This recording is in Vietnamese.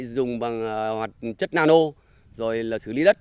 dùng bằng chất nano xử lý đất